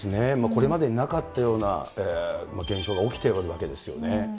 これまでになかったような現象が起きているわけですよね。